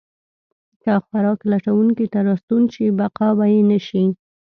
که خوراک لټونکي ته راستون شي، بقا به یې نه شي.